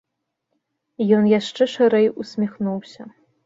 Ён яшчэ шырэй усміхнуўся.